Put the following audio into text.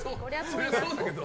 そりゃそうだけど。